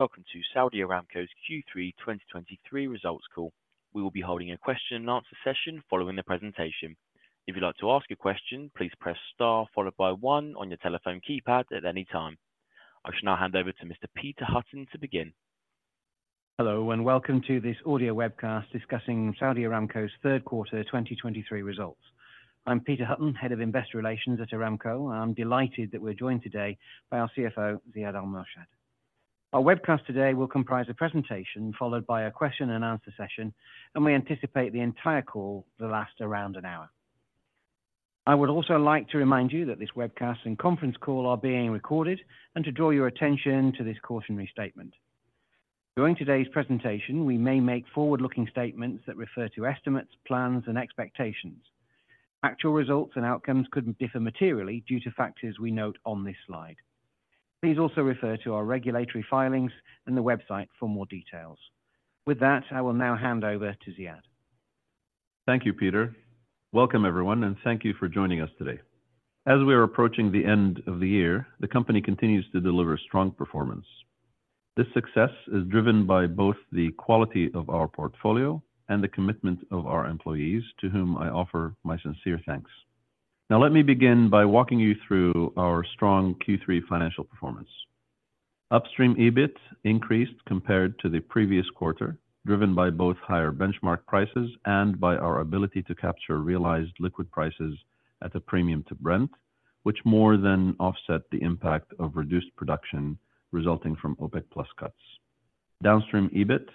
Welcome to Saudi Aramco's Q3 2023 results call. We will be holding a question and answer session following the presentation. If you'd like to ask a question, please press star followed by one on your telephone keypad at any time. I should now hand over to Mr. Peter Hutton to begin. Hello, and welcome to this audio webcast discussing Saudi Aramco's third quarter 2023 results. I'm Peter Hutton, Head of Investor Relations at Aramco, and I'm delighted that we're joined today by our CFO, Ziad Al-Murshed. Our webcast today will comprise a presentation followed by a question and answer session, and we anticipate the entire call will last around an hour. I would also like to remind you that this webcast and conference call are being recorded, and to draw your attention to this cautionary statement. During today's presentation, we may make forward-looking statements that refer to estimates, plans, and expectations. Actual results and outcomes could differ materially due to factors we note on this slide. Please also refer to our regulatory filings and the website for more details. With that, I will now hand over to Ziad. Thank you, Peter. Welcome, everyone, and thank you for joining us today. As we are approaching the end of the year, the company continues to deliver strong performance. This success is driven by both the quality of our portfolio and the commitment of our employees, to whom I offer my sincere thanks. Now, let me begin by walking you through our strong Q3 financial performance. Upstream EBIT increased compared to the previous quarter, driven by both higher benchmark prices and by our ability to capture realized liquid prices at a premium to Brent, which more than offset the impact of reduced production resulting from OPEC+ cuts. Downstream EBIT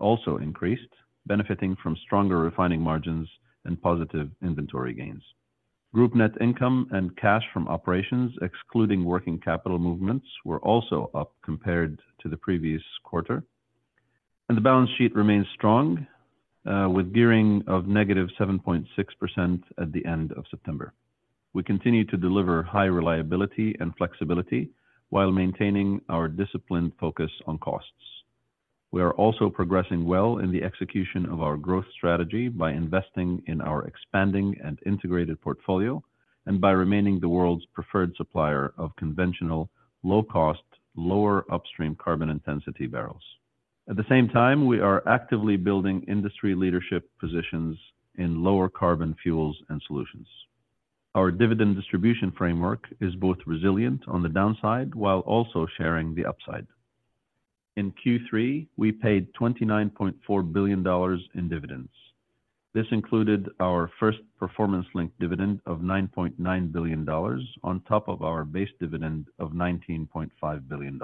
also increased, benefiting from stronger refining margins and positive inventory gains. Group net income and cash from operations, excluding working capital movements, were also up compared to the previous quarter, and the balance sheet remains strong, with gearing of negative 7.6% at the end of September. We continue to deliver high reliability and flexibility while maintaining our disciplined focus on costs. We are also progressing well in the execution of our growth strategy by investing in our expanding and integrated portfolio and by remaining the world's preferred supplier of conventional, low-cost, lower upstream carbon intensity barrels. At the same time, we are actively building industry leadership positions in lower carbon fuels and solutions. Our dividend distribution framework is both resilient on the downside while also sharing the upside. In Q3, we paid $29.4 billion in dividends. This included our first performance-linked dividend of $9.9 billion, on top of our base dividend of $19.5 billion.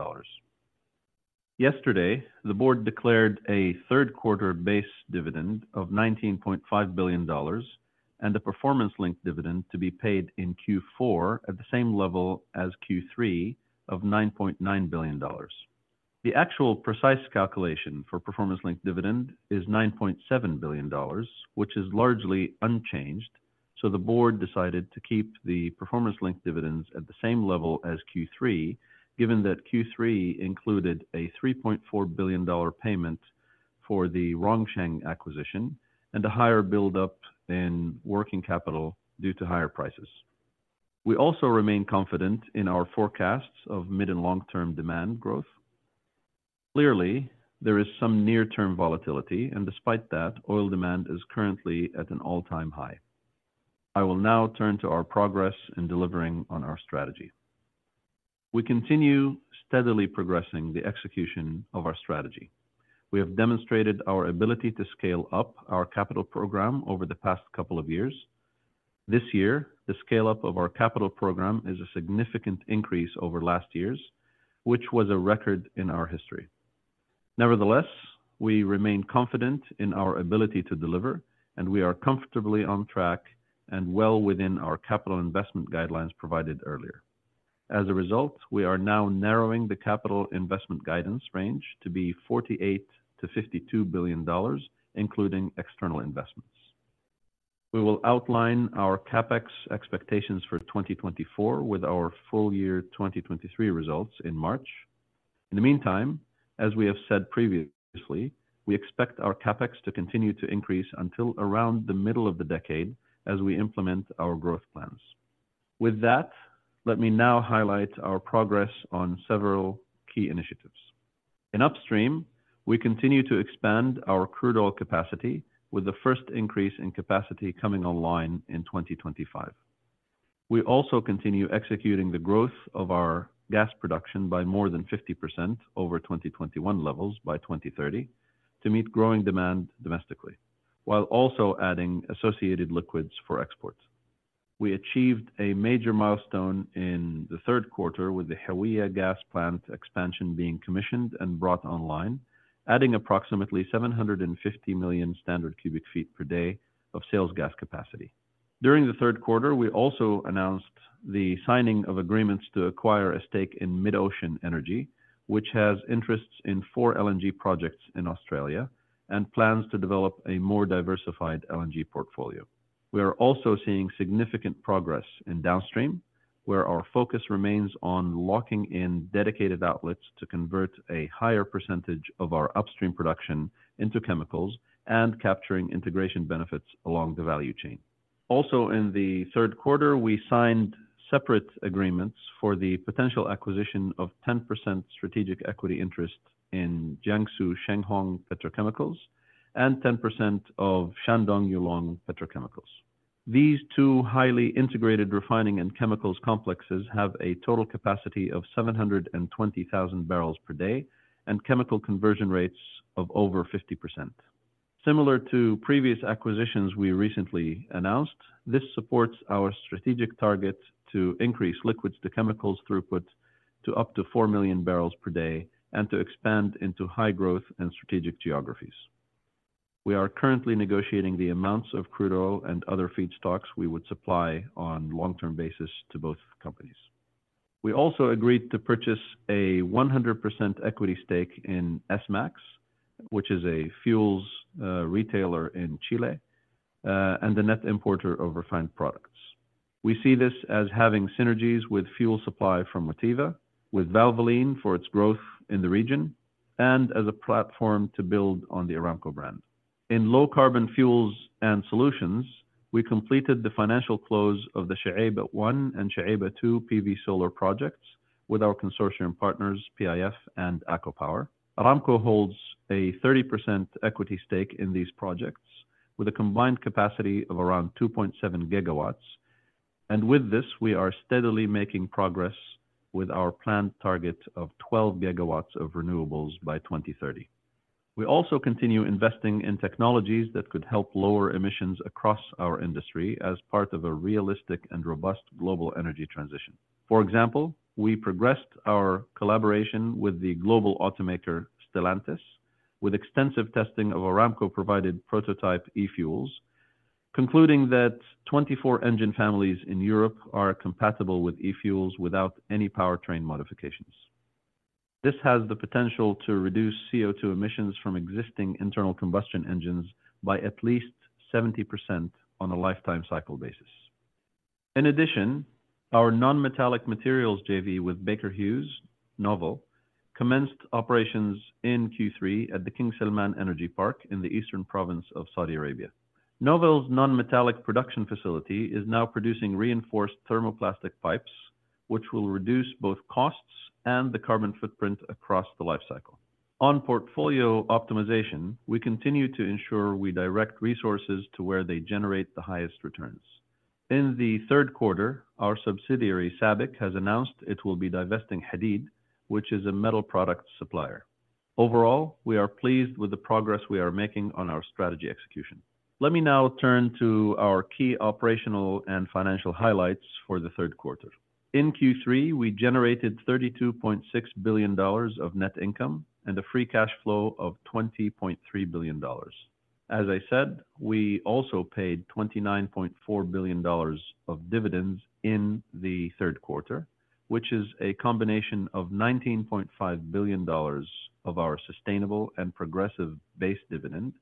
Yesterday, the board declared a third quarter base dividend of $19.5 billion and a performance-linked dividend to be paid in Q4 at the same level as Q3 of $9.9 billion. The actual precise calculation for performance-linked dividend is $9.7 billion, which is largely unchanged, so the board decided to keep the performance-linked dividends at the same level as Q3, given that Q3 included a $3.4 billion payment for the Rongsheng acquisition and a higher buildup in working capital due to higher prices. We also remain confident in our forecasts of mid- and long-term demand growth. Clearly, there is some near-term volatility, and despite that, oil demand is currently at an all-time high. I will now turn to our progress in delivering on our strategy. We continue steadily progressing the execution of our strategy. We have demonstrated our ability to scale up our capital program over the past couple of years. This year, the scale-up of our capital program is a significant increase over last year's, which was a record in our history. Nevertheless, we remain confident in our ability to deliver, and we are comfortably on track and well within our capital investment guidelines provided earlier. As a result, we are now narrowing the capital investment guidance range to be $48 billion-$52 billion, including external investments. We will outline our CapEx expectations for 2024 with our full year 2023 results in March. In the meantime, as we have said previously, we expect our CapEx to continue to increase until around the middle of the decade as we implement our growth plans. With that, let me now highlight our progress on several key initiatives. In upstream, we continue to expand our crude oil capacity with the first increase in capacity coming online in 2025. We also continue executing the growth of our gas production by more than 50% over 2021 levels by 2030 to meet growing demand domestically, while also adding associated liquids for exports. We achieved a major milestone in the third quarter with the Hawiyah Gas Plant expansion being commissioned and brought online, adding approximately 750 million standard cubic feet per day of sales gas capacity. During the third quarter, we also announced the signing of agreements to acquire a stake in MidOcean Energy, which has interests in four LNG projects in Australia and plans to develop a more diversified LNG portfolio. We are also seeing significant progress in downstream, where our focus remains on locking in dedicated outlets to convert a higher percentage of our upstream production into chemicals and capturing integration benefits along the value chain. Also, in the third quarter, we signed separate agreements for the potential acquisition of 10% strategic equity interest in Jiangsu Shenghong Petrochemical and 10% of Shandong Yulong Petrochemical. These two highly integrated refining and chemicals complexes have a total capacity of 720,000 barrels per day and chemical conversion rates of over 50%. Similar to previous acquisitions we recently announced, this supports our strategic target to increase liquids-to-chemicals throughput to up to 4 million barrels per day and to expand into high-growth and strategic geographies. We are currently negotiating the amounts of crude oil and other feedstocks we would supply on long-term basis to both companies. We also agreed to purchase a 100% equity stake in Esmax, which is a fuels retailer in Chile, and the net importer of refined products. We see this as having synergies with fuel supply from Motiva, with Valvoline for its growth in the region, and as a platform to build on the Aramco brand. In low-carbon fuels and solutions, we completed the financial close of the Al Shuaibah 1 and Al Shuaibah 2 PV solar projects with our consortium partners, PIF and ACWA Power. Aramco holds a 30% equity stake in these projects, with a combined capacity of around 2.7 gigawatts, and with this, we are steadily making progress with our planned target of 12 gigawatts of renewables by 2030. We also continue investing in technologies that could help lower emissions across our industry as part of a realistic and robust global energy transition. For example, we progressed our collaboration with the global automaker, Stellantis, with extensive testing of Aramco-provided prototype e-fuels, concluding that 24 engine families in Europe are compatible with e-fuels without any powertrain modifications. This has the potential to reduce CO₂ emissions from existing internal combustion engines by at least 70% on a lifetime cycle basis. In addition, our non-metallic materials JV with Baker Hughes, Novel, commenced operations in Q3 at the King Salman Energy Park in the Eastern Province of Saudi Arabia. Novel's non-metallic production facility is now producing reinforced thermoplastic pipes, which will reduce both costs and the carbon footprint across the life cycle. On portfolio optimization, we continue to ensure we direct resources to where they generate the highest returns. In the third quarter, our subsidiary, SABIC, has announced it will be divesting Hadeed, which is a metal product supplier. Overall, we are pleased with the progress we are making on our strategy execution. Let me now turn to our key operational and financial highlights for the third quarter. In Q3, we generated $32.6 billion of net income and a free cash flow of $20.3 billion. As I said, we also paid $29.4 billion of dividends in the third quarter, which is a combination of $19.5 billion of our sustainable and progressive base dividend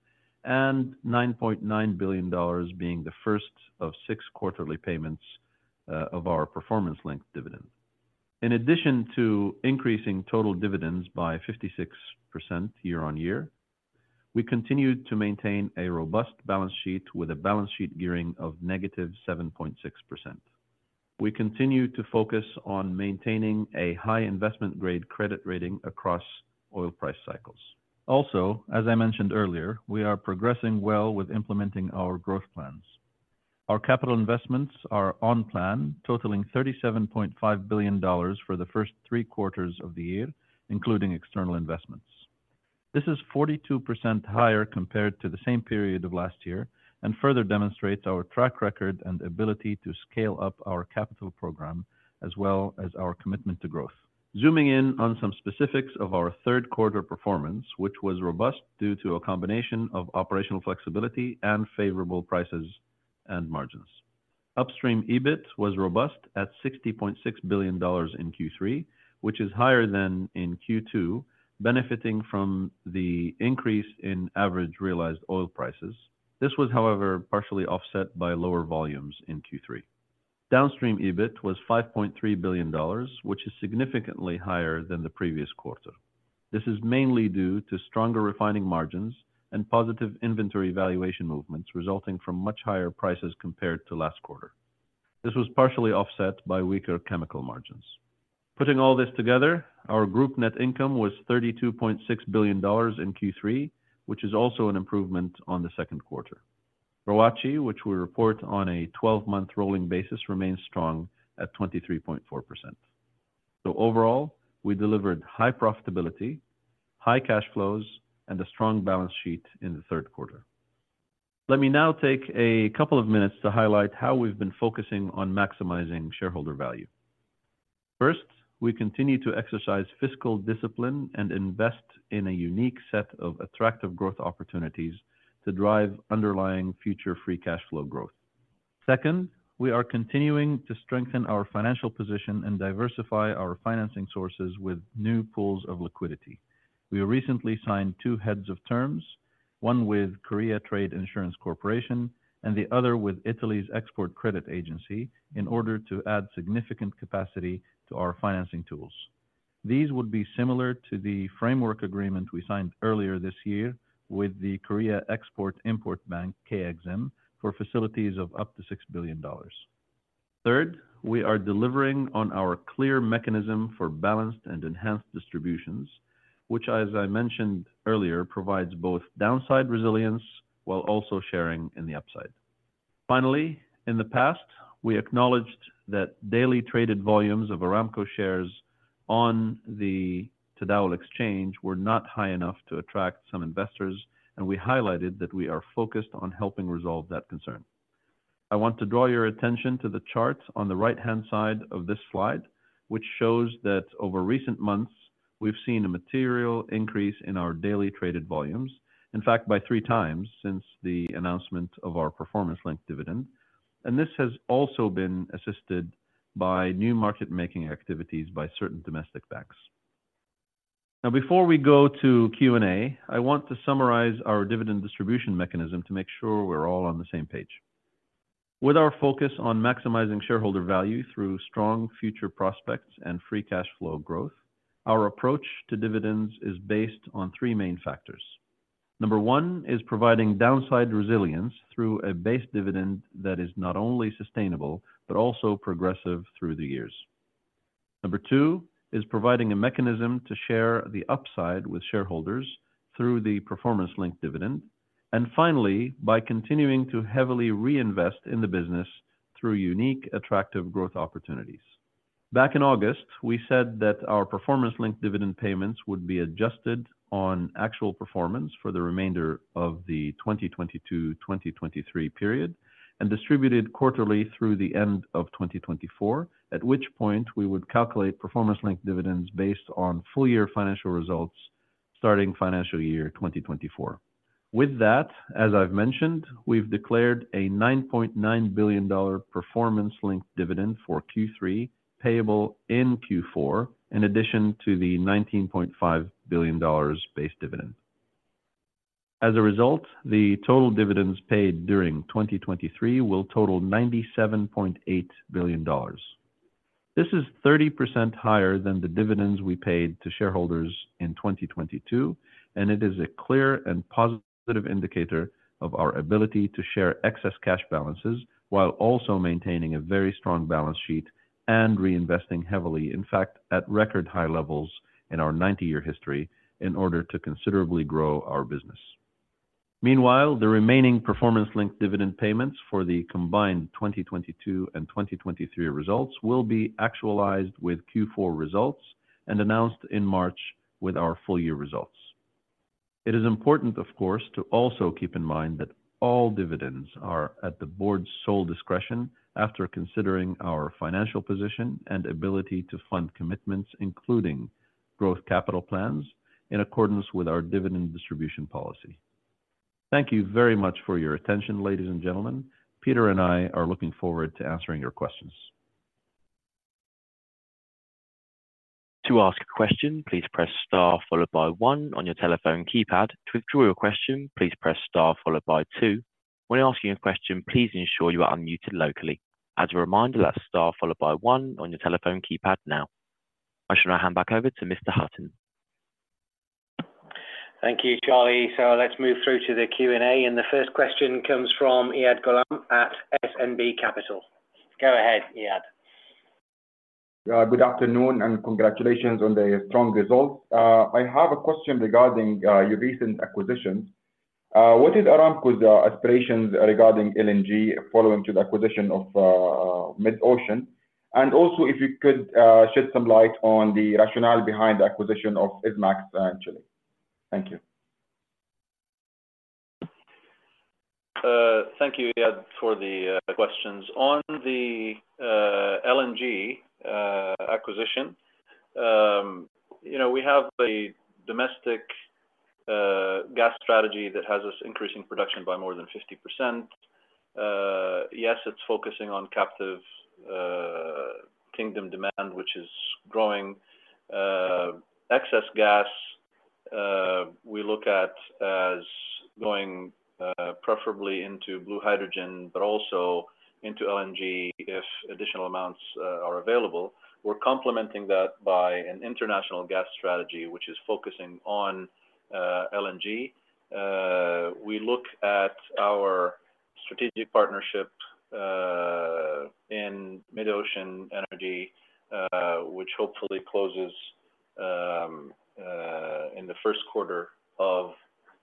and $9.9 billion being the first of six quarterly payments of our performance-linked dividend. In addition to increasing total dividends by 56% year-on-year, we continued to maintain a robust balance sheet with a balance sheet gearing of -7.6%. We continue to focus on maintaining a high investment-grade credit rating across oil price cycles. Also, as I mentioned earlier, we are progressing well with implementing our growth plans. Our capital investments are on plan, totaling $37.5 billion for the first three quarters of the year, including external investments. This is 42% higher compared to the same period of last year and further demonstrates our track record and ability to scale up our capital program, as well as our commitment to growth. Zooming in on some specifics of our third quarter performance, which was robust due to a combination of operational flexibility and favorable prices and margins. Upstream EBIT was robust at $60.6 billion in Q3, which is higher than in Q2, benefiting from the increase in average realized oil prices. This was, however, partially offset by lower volumes in Q3. Downstream EBIT was $5.3 billion, which is significantly higher than the previous quarter. This is mainly due to stronger refining margins and positive inventory valuation movements, resulting from much higher prices compared to last quarter. This was partially offset by weaker chemical margins. Putting all this together, our group net income was $32.6 billion in Q3, which is also an improvement on the second quarter. ROACE, which we report on a 12-month rolling basis, remains strong at 23.4%. So overall, we delivered high profitability, high cash flows, and a strong balance sheet in the third quarter. Let me now take a couple of minutes to highlight how we've been focusing on maximizing shareholder value. First, we continue to exercise fiscal discipline and invest in a unique set of attractive growth opportunities to drive underlying future free cash flow growth. Second, we are continuing to strengthen our financial position and diversify our financing sources with new pools of liquidity. We recently signed two heads of terms, one with Korea Trade Insurance Corporation and the other with Italy's Export Credit Agency, in order to add significant capacity to our financing tools. These would be similar to the framework agreement we signed earlier this year with the Korea Export-Import Bank, KEXIM, for facilities of up to $6 billion. Third, we are delivering on our clear mechanism for balanced and enhanced distributions, which, as I mentioned earlier, provides both downside resilience while also sharing in the upside. Finally, in the past, we acknowledged that daily traded volumes of Aramco shares on the Tadawul Exchange were not high enough to attract some investors, and we highlighted that we are focused on helping resolve that concern. I want to draw your attention to the chart on the right-hand side of this slide, which shows that over recent months, we've seen a material increase in our daily traded volumes, in fact, by 3 times since the announcement of our performance-linked dividend, and this has also been assisted by new market-making activities by certain domestic banks. Now, before we go to Q&A, I want to summarize our dividend distribution mechanism to make sure we're all on the same page. With our focus on maximizing shareholder value through strong future prospects and free cash flow growth, our approach to dividends is based on 3 main factors. Number 1 is providing downside resilience through a base dividend that is not only sustainable, but also progressive through the years. Number 2 is providing a mechanism to share the upside with shareholders through the performance-linked dividend. And finally, by continuing to heavily reinvest in the business through unique, attractive growth opportunities. Back in August, we said that our performance-linked dividend payments would be adjusted on actual performance for the remainder of the 2022/2023 period, and distributed quarterly through the end of 2024, at which point we would calculate performance-linked dividends based on full year financial results starting financial year 2024. With that, as I've mentioned, we've declared a $9.9 billion performance-linked dividend for Q3, payable in Q4, in addition to the $19.5 billion base dividend. As a result, the total dividends paid during 2023 will total $97.8 billion. This is 30% higher than the dividends we paid to shareholders in 2022, and it is a clear and positive indicator of our ability to share excess cash balances, while also maintaining a very strong balance sheet and reinvesting heavily, in fact, at record high levels in our 90-year history, in order to considerably grow our business. Meanwhile, the remaining performance-linked dividend payments for the combined 2022 and 2023 results will be actualized with Q4 results and announced in March with our full year results. It is important, of course, to also keep in mind that all dividends are at the board's sole discretion after considering our financial position and ability to fund commitments, including growth capital plans, in accordance with our dividend distribution policy. Thank you very much for your attention, ladies and gentlemen. Peter and I are looking forward to answering your questions. To ask a question, please press star followed by one on your telephone keypad. To withdraw your question, please press star followed by two. When asking a question, please ensure you are unmuted locally. As a reminder, that's star followed by one on your telephone keypad now. I shall now hand back over to Mr. Hutton. Thank you, Charlie. So let's move through to the Q&A, and the first question comes from Iyad Ghulam at SNB Capital. Go ahead, Iyad. Good afternoon, and congratulations on the strong results. I have a question regarding your recent acquisitions. What is Aramco's aspirations regarding LNG following to the acquisition of MidOcean? And also, if you could shed some light on the rationale behind the acquisition of Esmax actually. Thank you. Thank you, Iyad, for the questions. On the LNG acquisition, you know, we have a domestic gas strategy that has us increasing production by more than 50%. Yes, it's focusing on captive Kingdom demand, which is growing. Excess gas we look at as going preferably into blue hydrogen, but also into LNG if additional amounts are available. We're complementing that by an international gas strategy, which is focusing on LNG. We look at our strategic partnership in MidOcean Energy, which hopefully closes in the first quarter of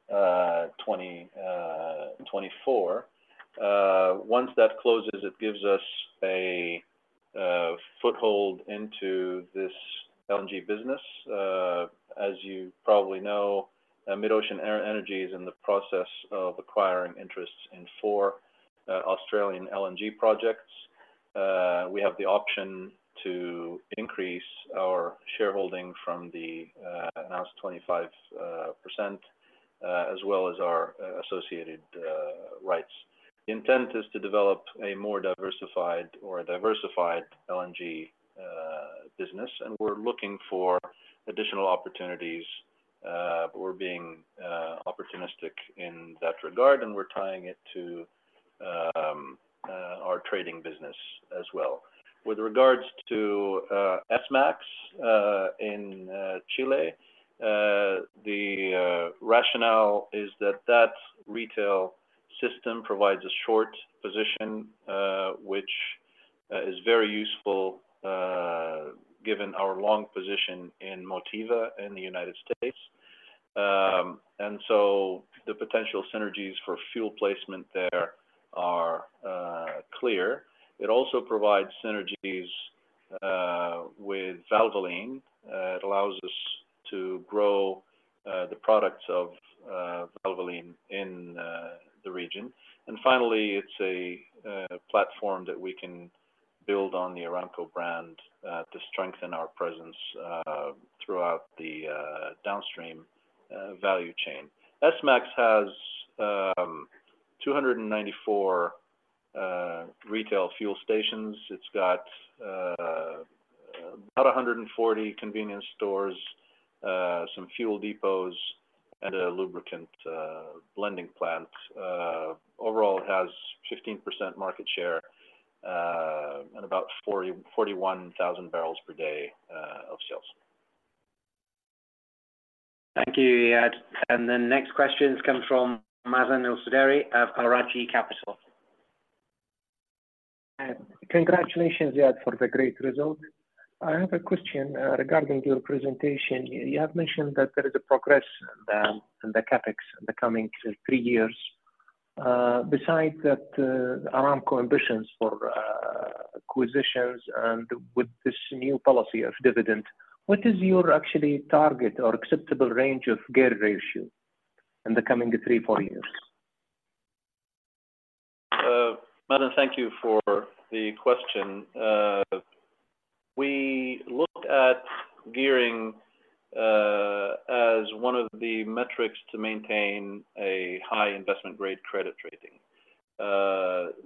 2024. Once that closes, it gives us a foothold into this LNG business. As you probably know, MidOcean Energy is in the process of acquiring interests in 4 Australian LNG projects. We have the option to increase our shareholding from the announced 25%, as well as our associated rights. The intent is to develop a more diversified or a diversified LNG business, and we're looking for additional opportunities. We're being opportunistic in that regard, and we're tying it to our trading business as well. With regards to Esmax in Chile, the rationale is that that retail system provides a short position, which is very useful, given our long position in Motiva in the United States. And so the potential synergies for fuel placement there are clear. It also provides synergies with Valvoline. It allows us to grow the products of Valvoline in the region. Finally, it's a platform that we can build on the Aramco brand to strengthen our presence throughout the downstream value chain. Esmax has 294 retail fuel stations. It's got about 140 convenience stores, some fuel depots, and a lubricant blending plant. Overall, it has 15% market share and about 40-41 thousand barrels per day of sales. Thank you, Iyad. The next question comes from Mazen Al-Sudairi of Al Rajhi Capital. Congratulations, Iyad, for the great result. I have a question regarding your presentation. You have mentioned that there is a progress in the CapEx in the coming three years. Besides that, Aramco ambitions for acquisitions and with this new policy of dividend, what is your actually target or acceptable range of gearing ratio in the coming three, four years? Mazen, thank you for the question. We looked at gearing as one of the metrics to maintain a high investment grade credit rating.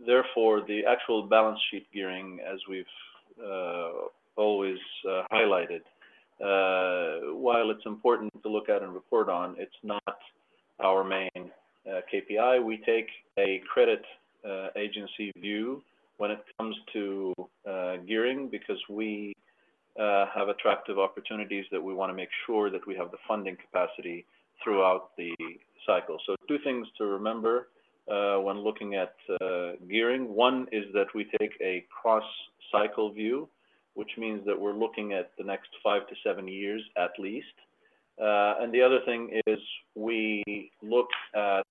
Therefore, the actual balance sheet gearing, as we've always highlighted, while it's important to look at and report on, it's not our main KPI. We take a credit agency view when it comes to gearing, because we have attractive opportunities that we wanna make sure that we have the funding capacity throughout the cycle. So 2 things to remember when looking at gearing. One is that we take a cross-cycle view, which means that we're looking at the next 5-7 years at least. And the other thing is, we look at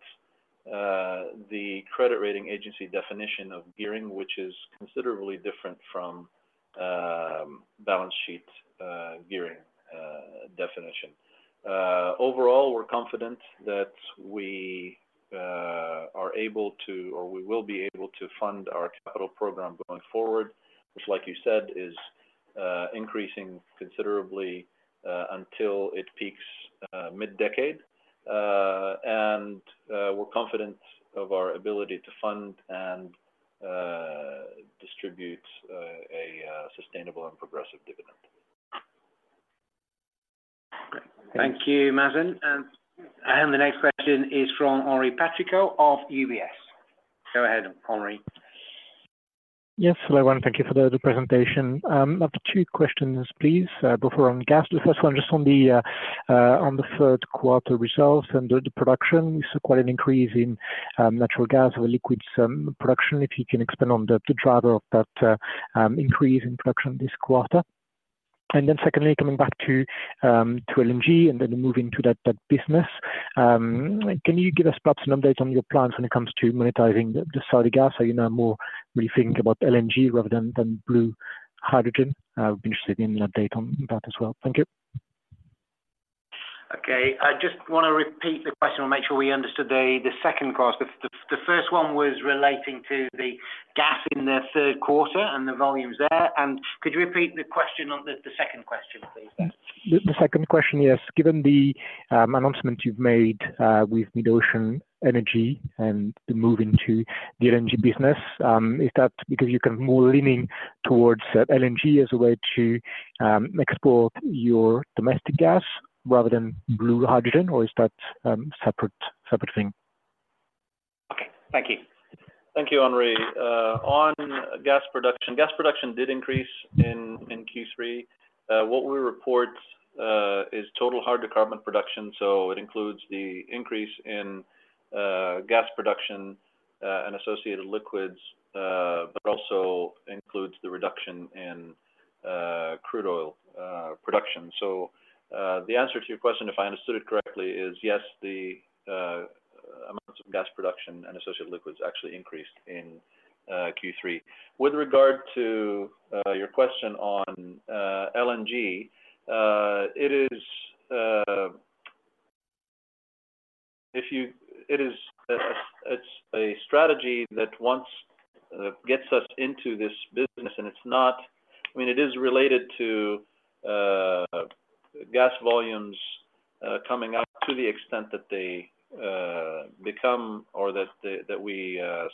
the credit rating agency definition of gearing, which is considerably different from balance sheet gearing definition. Overall, we're confident that we are able to or we will be able to fund our capital program going forward, which, like you said, is increasing considerably until it peaks mid-decade. And we're confident of our ability to fund and distribute a sustainable and progressive dividend. Thank you, Mazen. The next question is from Henri Patricot of UBS. Go ahead, Henri. Yes, hello, everyone, thank you for the presentation. I have two questions, please, both on gas. The first one, just on the third quarter results and the production. We saw quite an increase in natural gas or liquids production, if you can expand on the driver of that increase in production this quarter. And then secondly, coming back to LNG and then moving to that business. Can you give us perhaps an update on your plans when it comes to monetizing the Saudi gas? Are you now more rethink about LNG rather than blue hydrogen? I would be interested in an update on that as well. Thank you. Okay. I just want to repeat the question to make sure we understood the second part. The first one was relating to the gas in the third quarter and the volumes there. And could you repeat the question on the second question, please? The second question, yes. Given the announcement you've made with MidOcean Energy and the move into the LNG business, is that because you can more leaning towards LNG as a way to export your domestic gas rather than blue hydrogen, or is that separate, separate thing? Okay, thank you. Thank you, Henri. On gas production, gas production did increase in Q3. What we report is total hydrocarbon production, so it includes the increase in gas production and associated liquids, but also includes the reduction in crude oil production. So, the answer to your question, if I understood it correctly, is yes, the amounts of gas production and associated liquids actually increased in Q3. With regard to your question on LNG, it is. It is, it's a strategy that once gets us into this business, and it's not—I mean, it is related to gas volumes coming up to the extent that they. become or that we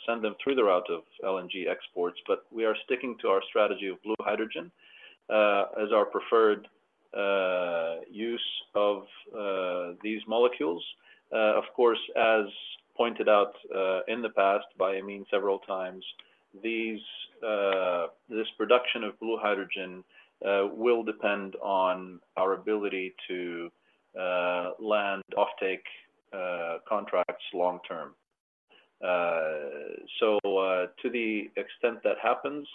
send them through the route of LNG exports, but we are sticking to our strategy of blue hydrogen as our preferred use of these molecules. Of course, as pointed out in the past by Amin several times, this production of blue hydrogen will depend on our ability to land offtake contracts long term. So, to the extent that happens,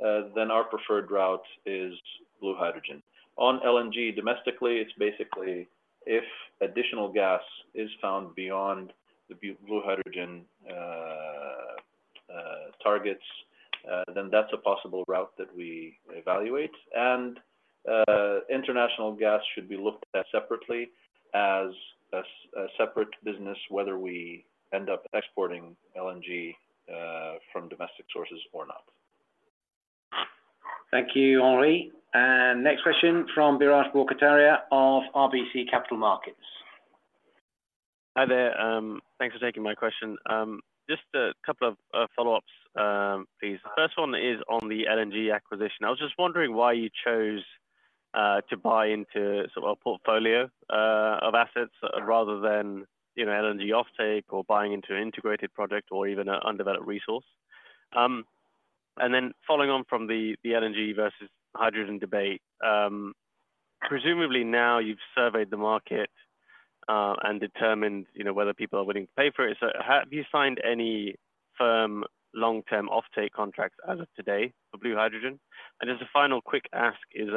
then our preferred route is blue hydrogen. On LNG domestically, it's basically if additional gas is found beyond the blue hydrogen targets, then that's a possible route that we evaluate. And international gas should be looked at separately as a separate business, whether we end up exporting LNG from domestic sources or not. Thank you, Henri. Next question from Biraj Borkhataria of RBC Capital Markets. Hi there. Thanks for taking my question. Just a couple of follow-ups, please. The first one is on the LNG acquisition. I was just wondering why you chose to buy into sort of a portfolio of assets rather than, you know, LNG offtake or buying into an integrated project or even an undeveloped resource. And then following on from the LNG versus hydrogen debate, presumably now you've surveyed the market and determined, you know, whether people are willing to pay for it. So have you signed any firm long-term offtake contracts as of today for blue hydrogen? And as a final quick ask is,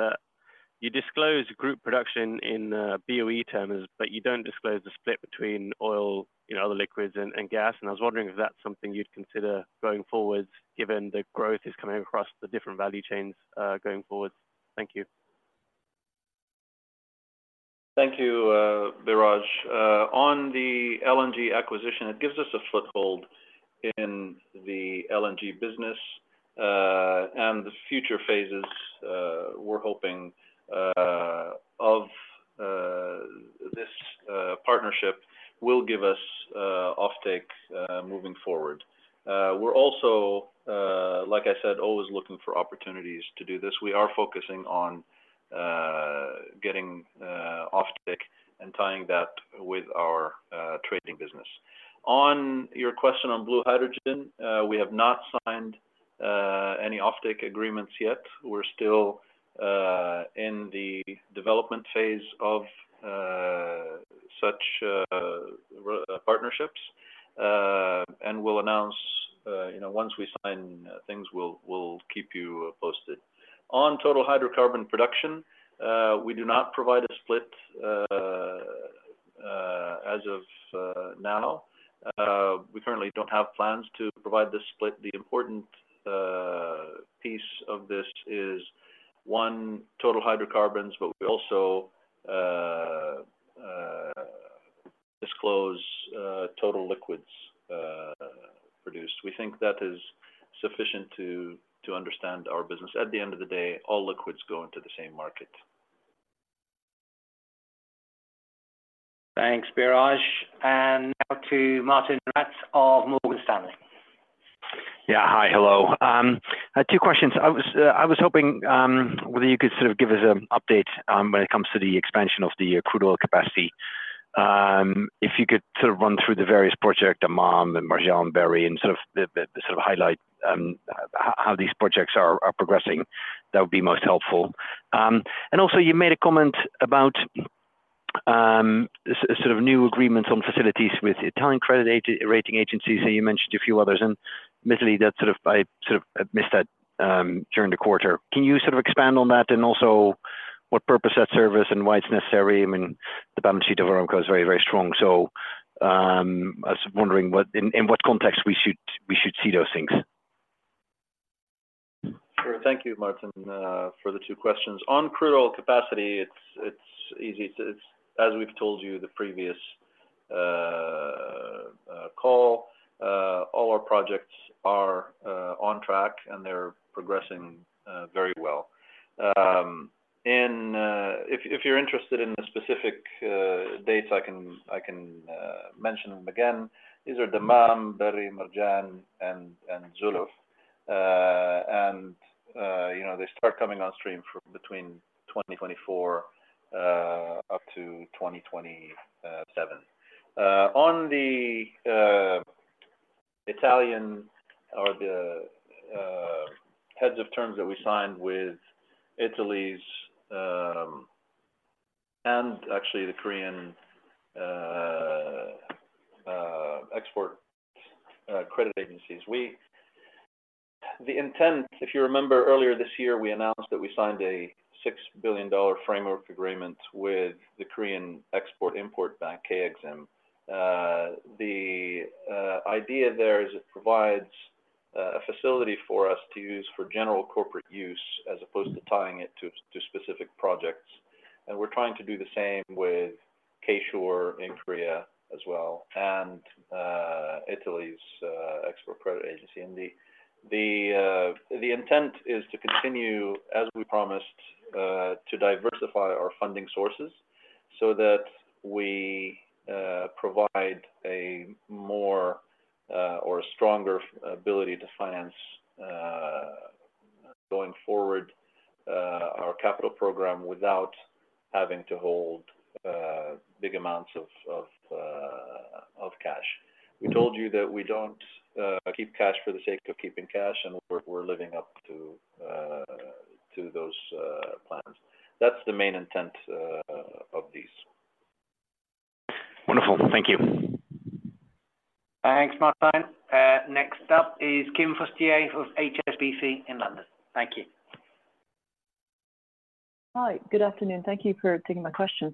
you disclose group production in BOE terms, but you don't disclose the split between oil, you know, other liquids and gas. I was wondering if that's something you'd consider going forward, given the growth is coming across the different value chains, going forward. Thank you. Thank you, Biraj. On the LNG acquisition, it gives us a foothold in the LNG business, and the future phases, we're hoping of this partnership will give us offtake moving forward. We're also, like I said, always looking for opportunities to do this. We are focusing on getting offtake and tying that with our trading business. On your question on blue hydrogen, we have not signed any offtake agreements yet. We're still in the development phase of such partnerships, and we'll announce... You know, once we sign things, we'll keep you posted. On total hydrocarbon production, we do not provide a split as of now. We currently don't have plans to provide this split. The important piece of this is, one, total hydrocarbons, but we also disclose total liquids produced. We think that is sufficient to understand our business. At the end of the day, all liquids go into the same market. Thanks, Biraj. And now to Martijn Rats of Morgan Stanley. Yeah. Hi, hello. I had two questions. I was hoping whether you could sort of give us an update when it comes to the expansion of the crude oil capacity. If you could sort of run through the various project, Dammam, and Marjan, Berri, and sort of the sort of highlight how these projects are progressing, that would be most helpful. And also you made a comment about sort of new agreements on facilities with Italian credit rating agencies, so you mentioned a few others. And admittedly, that sort of—I sort of missed that during the quarter. Can you sort of expand on that, and also what purpose that service and why it's necessary? I mean, the balance sheet of Aramco is very, very strong. So, I was wondering in what context we should see those things. Sure. Thank you, Martin, for the two questions. On crude oil capacity, it's easy to... It's as we've told you the previous call, all our projects are on track, and they're progressing very well. If you're interested in the specific dates, I can mention them again. These are Dammam, Berri, Marjan, and Zuluf. And you know, they start coming on stream from between 2024 up to 2027. On the Italian or the heads of terms that we signed with Italy's, and actually the Korean export credit agencies. The intent, if you remember earlier this year, we announced that we signed a $6 billion framework agreement with the Korean Export-Import Bank, KEXIM. The idea there is it provides a facility for us to use for general corporate use, as opposed to tying it to specific projects. And we're trying to do the same with K-SURE in Korea as well. And Italy's export credit agency. And the intent is to continue, as we promised, to diversify our funding sources so that we provide a more or a stronger ability to finance going forward our capital program without having to hold big amounts of cash. We told you that we don't keep cash for the sake of keeping cash, and we're living up to those plans. That's the main intent of these. Wonderful. Thank you. Thanks, Martijn. Next up is Kim Fustier of HSBC in London. Thank you. Hi. Good afternoon. Thank you for taking my questions.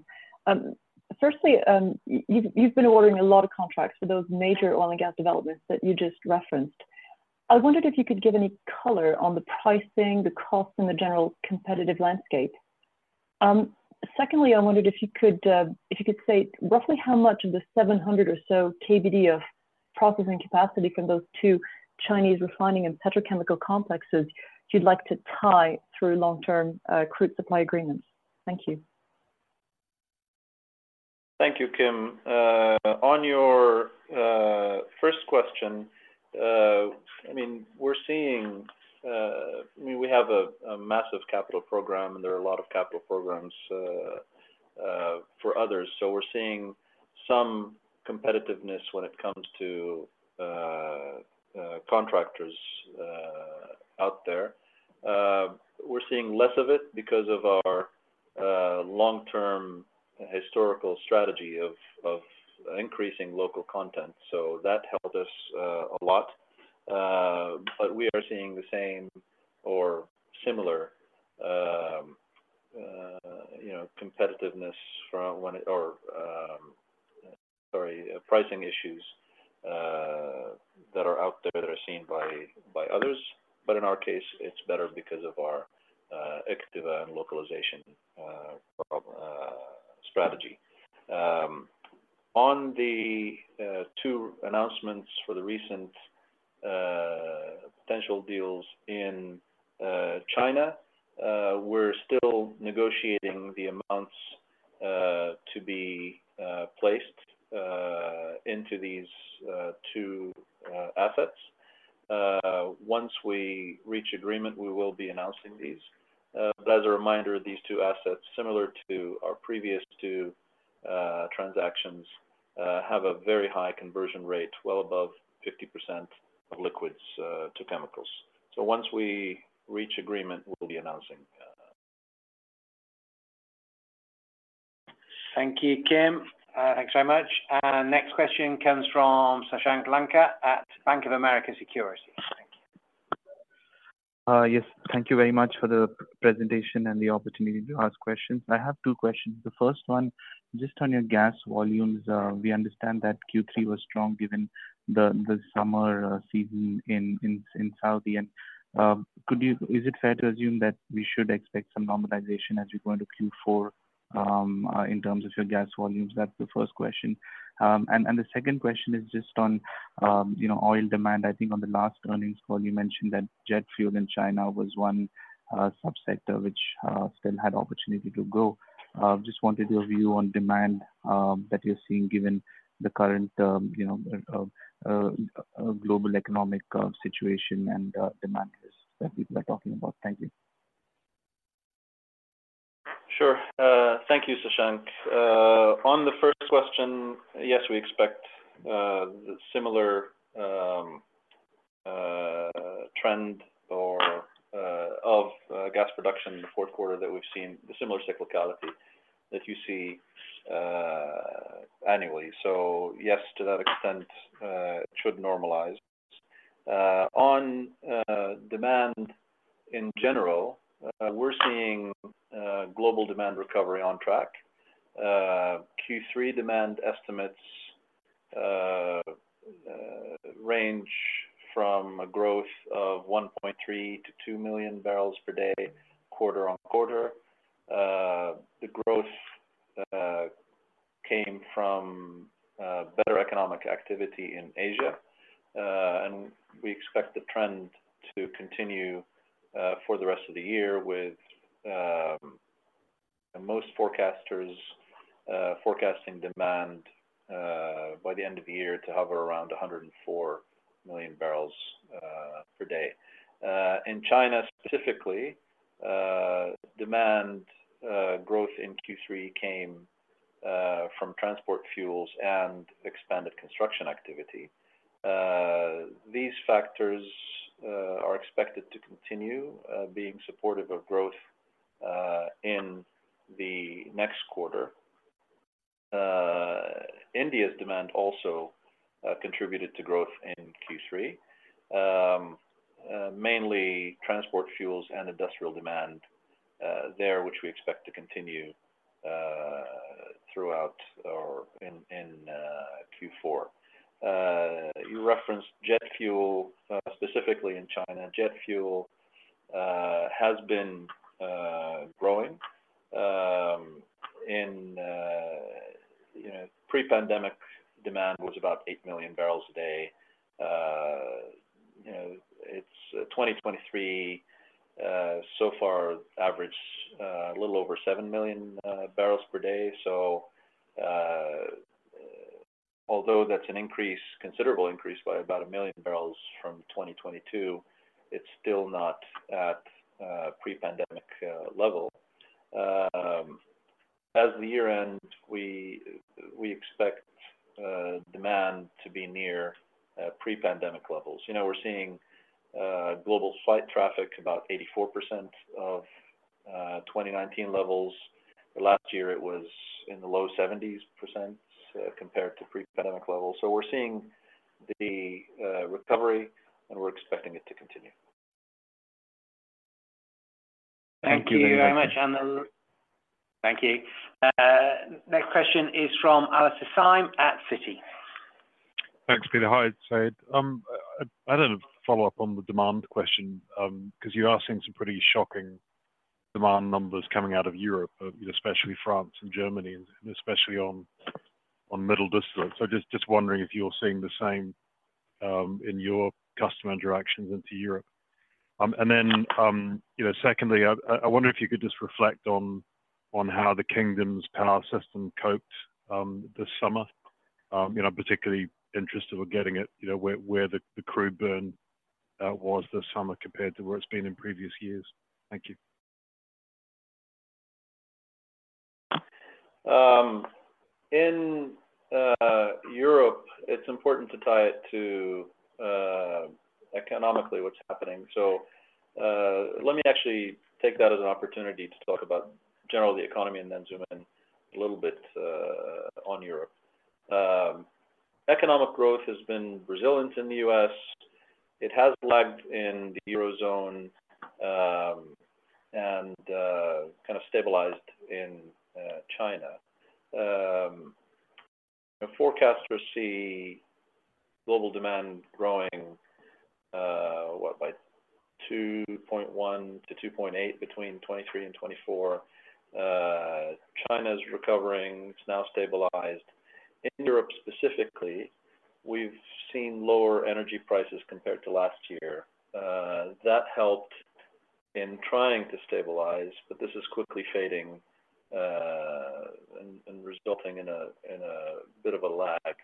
Firstly, you've been awarding a lot of contracts for those major oil and gas developments that you just referenced. I wondered if you could give any color on the pricing, the cost, and the general competitive landscape. Secondly, I wondered if you could, if you could say roughly how much of the 700 or so KBD of processing capacity from those two Chinese refining and petrochemical complexes you'd like to tie through long-term, crude supply agreements. Thank you. Thank you, Kim. On your first question, I mean, we're seeing. I mean, we have a massive capital program, and there are a lot of capital programs for others, so we're seeing some competitiveness when it comes to contractors out there. We're seeing less of it because of our long-term historical strategy of increasing local content, so that helped us a lot. But we are seeing the same or similar, you know, competitiveness from when it or. Sorry, pricing issues that are out there that are seen by others, but in our case, it's better because of our active and localization strategy. On the two announcements for the recent potential deals in China, we're still negotiating the amounts to be placed into these two assets. Once we reach agreement, we will be announcing these. But as a reminder, these two assets, similar to our previous two transactions, have a very high conversion rate, well above 50% of liquids to chemicals. So once we reach agreement, we'll be announcing. Thank you, Kim. Thanks very much. Next question comes from Sashank Lanka at Bank of America Securities. Thank you. Yes, thank you very much for the presentation and the opportunity to ask questions. I have two questions. The first one, just on your gas volumes, we understand that Q3 was strong given the summer season in Saudi. And could you is it fair to assume that we should expect some normalization as we go into Q4 in terms of your gas volumes? That's the first question. And the second question is just on you know, oil demand. I think on the last earnings call, you mentioned that jet fuel in China was one subsector which still had opportunity to grow. Just wanted your view on demand that you're seeing given the current you know global economic situation and demand risks that people are talking about. Thank you. Sure. Thank you, Sashank. On the first question, yes, we expect similar trend of gas production in the fourth quarter that we've seen, the similar cyclicality that you see annually. So yes, to that extent, it should normalize. On demand in general, we're seeing global demand recovery on track. Q3 demand estimates range from a growth of 1.3 million-2 million barrels per day, quarter-on-quarter. The growth came from better economic activity in Asia, and we expect the trend to continue for the rest of the year with most forecasters forecasting demand by the end of the year to hover around 104 million barrels per day. In China specifically, demand growth in Q3 came from transport fuels and expanded construction activity. These factors are expected to continue being supportive of growth in the next quarter. India's demand also contributed to growth in Q3, mainly transport fuels and industrial demand there, which we expect to continue throughout or in Q4. You referenced jet fuel specifically in China. Jet fuel has been growing. In you know, pre-pandemic, demand was about 8 million barrels a day. You know, it's 2023 so far averaged a little over 7 million barrels per day. So, although that's an increase, considerable increase by about 1 million barrels from 2022, it's still not at pre-pandemic level. As the year ends, we expect demand to be near pre-pandemic levels. You know, we're seeing global flight traffic about 84% of 2019 levels. Last year, it was in the low 70s%, compared to pre-pandemic levels. So we're seeing the recovery, and we're expecting it to continue. Thank you very much, thank you. Next question is from Alastair Syme at Citi. Thanks, Peter. Hi, Ziad. I did a follow-up on the demand question, 'cause you are seeing some pretty shocking demand numbers coming out of Europe, especially France and Germany, and especially on middle distance. So just wondering if you're seeing the same in your customer interactions into Europe. And then, you know, secondly, I wonder if you could just reflect on how the kingdom's power system coped this summer. You know, I'm particularly interested in getting it, you know, where the crude burn was this summer compared to where it's been in previous years. Thank you. In Europe, it's important to tie it to economically what's happening. So, let me actually take that as an opportunity to talk about generally the economy and then zoom in a little bit on Europe. Economic growth has been resilient in the U.S. It has lagged in the Eurozone and kind of stabilized in China. The forecasters see global demand growing by 2.1-2.8 between 2023 and 2024. China's recovering, it's now stabilized. In Europe, specifically, we've seen lower energy prices compared to last year. That helped in trying to stabilize, but this is quickly fading and resulting in a bit of a lag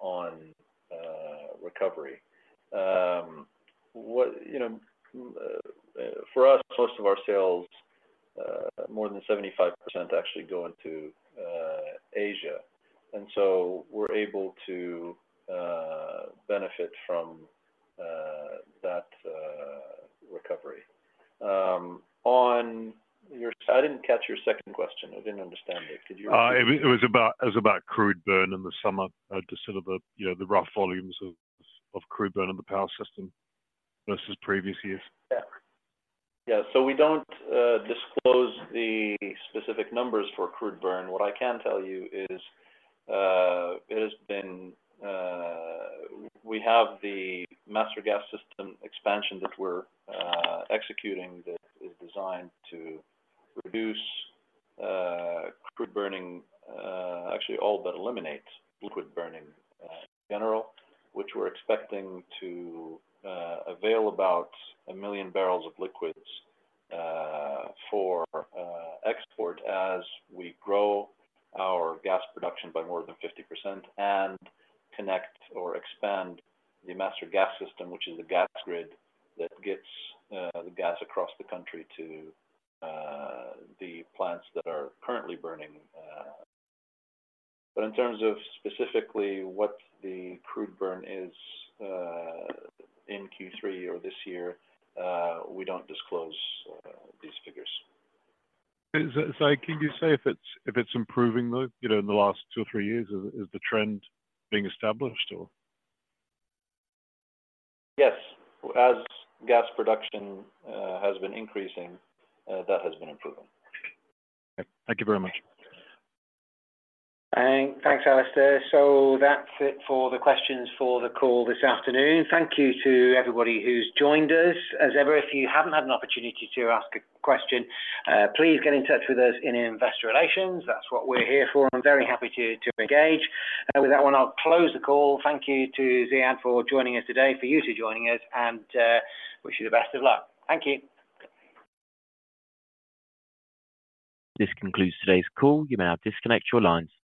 on recovery. What... You know, for us, most of our sales, more than 75% actually go into, Asia, and so we're able to, benefit from, that, recovery. On your-- I didn't catch your second question. I didn't understand it. Could you repeat? It was about crude burn in the summer, just sort of, you know, the rough volumes of crude burn in the power system versus previous years. Yeah. Yeah, so we don't disclose the specific numbers for crude burn. What I can tell you is, it has been... We have the Master Gas System expansion that we're executing, that is designed to reduce crude burning, actually, all but eliminate liquid burning, in general, which we're expecting to avail about 1 million barrels of liquids, for export as we grow our gas production by more than 50% and connect or expand the Master Gas System, which is a gas grid that gets the gas across the country to the plants that are currently burning. But in terms of specifically what the crude burn is, in Q3 or this year, we don't disclose these figures. So, can you say if it's improving, though? You know, in the last two or three years, is the trend being established or? Yes. As gas production has been increasing, that has been improving. Thank you very much. Thanks, Alastair. So that's it for the questions for the call this afternoon. Thank you to everybody who's joined us. As ever, if you haven't had an opportunity to ask a question, please get in touch with us in Investor Relations. That's what we're here for. I'm very happy to engage. With that one, I'll close the call. Thank you to Ziad for joining us today, and to you for joining us, and wish you the best of luck. Thank you. This concludes today's call. You may now disconnect your lines.